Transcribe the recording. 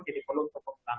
jadi perlu keperluan